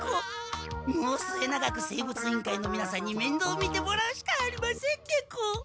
もうすえながく生物委員会のみなさんにめんどう見てもらうしかありませんゲコ。